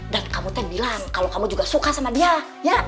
dan kamu ten bilang kalau kamu juga suka dengan dia ya